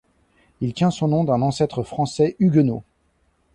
Il tient son nom d'un ancêtre français huguenot.